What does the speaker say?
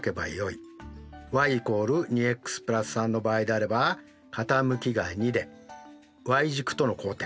ｙ＝２ｘ＋３の場合であれば傾きが２でｙ軸との交点